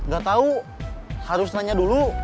gak tau harus tanya dulu